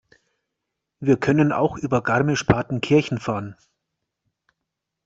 Wir können auch über Garmisch-Partenkirchen fahren.